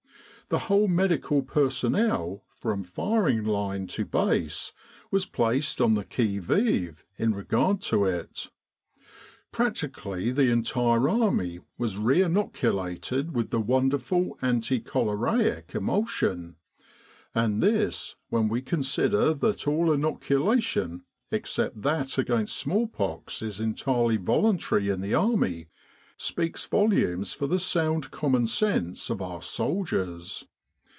.The whole medical personnel from firing line to Base was placed on the qui vive in regard to it. Practically the entire army was re inoculated with the wonderful anti choleraic emulsion, and this, when we consider that all inoculation except that against smallpox is entirely voluntary in the Army, speaks volumes for the sound common sense of our soldiers.